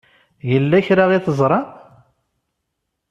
Yella kra i teẓṛam?